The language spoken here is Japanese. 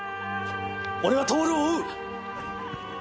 俺は透を追う！